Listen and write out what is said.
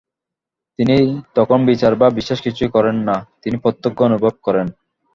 তিনি তখন বিচার বা বিশ্বাস কিছুই করেন না, তিনি প্রত্যক্ষ অনুভব করেন।